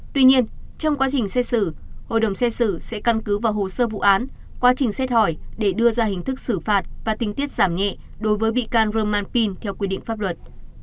tuy nhiên trong quá trình xét xử hội đồng xét xử sẽ căn cứ vào hồ sơ vụ án quá trình xét hỏi để đưa ra hình thức xử phạt và tinh tiết giảm nhẹ đối với bị can roman pin theo quy định pháp luật